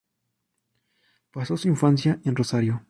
Pasó su infancia en Rosario.